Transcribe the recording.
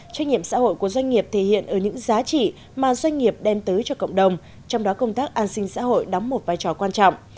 trách nhiệm xã hội của doanh nghiệp thể hiện ở những giá trị mà doanh nghiệp đem tới cho cộng đồng trong đó công tác an sinh xã hội đóng một vai trò quan trọng